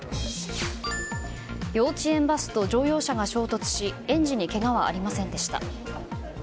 幼稚園バスと乗用車が衝突し園児にけがはありませんでした。